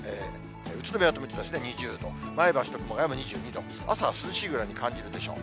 宇都宮と水戸ですね、２０度、前橋と熊谷も２２度、朝は涼しいぐらいに感じるでしょう。